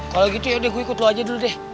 kalau gitu yaudah gue ikut lo aja dulu deh